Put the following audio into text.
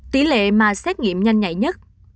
tỷ lệ mà xét nghiệm nhanh nhạy nhất